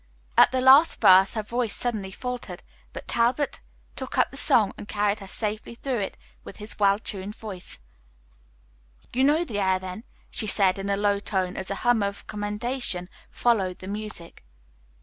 At the last verse her voice suddenly faltered, but Talbot took up the song and carried her safely through it with his well tuned voice. "You know the air then?" she said in a low tone, as a hum of commendation followed the music.